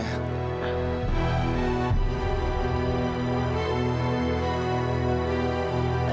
saya sendiri tidak sanggup untuk melihatnya